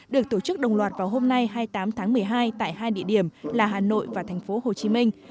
được tổ chức đồng loạt vào hôm nay hai mươi tám tháng một mươi hai tại hai địa điểm là hà nội và thành phố hồ chí minh